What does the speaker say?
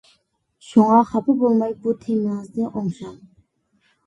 شۇڭا خاپا بولماي بۇ تېمىڭىزنى ئوڭشاڭ!